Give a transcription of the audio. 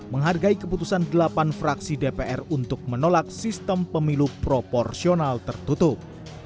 menghargai keputusan delapan fraksi dpr untuk menolak sistem pemilu proporsional tertutup